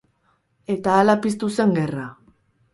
Eta hala piztu zen gerra.